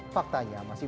faktanya masih berlaku